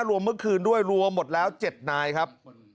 รวมเมื่อคืนด้วยรวมหมดแล้ว๗นายครับ